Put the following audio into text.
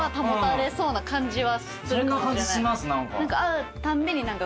そんな感じします。